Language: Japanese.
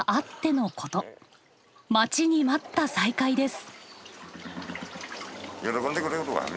待ちに待った再開です。